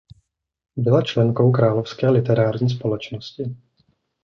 Byla členkou Královské literární společnosti.